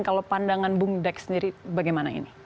kalau pandangan bung dek sendiri bagaimana ini